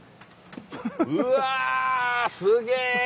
うわ！すげ！